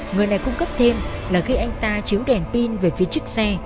người này cung cấp thêm là khi anh ta chiếu đèn pin về phía chiếc xe